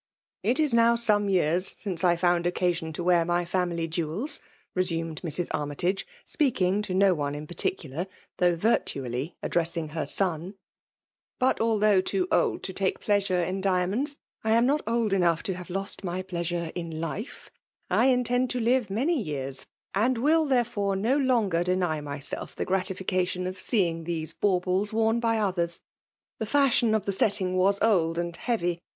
" It is now some years since I found occa sion to wear my fiunily jewels," resumed VttB. Armytage, speaking to no one in particular, though virtually addressing her son :^ but although too old to take pleasure in diamonds, I am not ^d enough to hare lost my pleasure in l^e, I intend to lire many years, and will therefore no longer deny myself the gratifica* tion of seeing tiiese baubles worn by others* The &shion of the setting was old and heavy.